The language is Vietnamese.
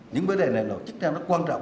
những vấn đề này là chắc chắn rất quan trọng